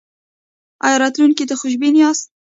ایا راتلونکي ته خوشبین یاست؟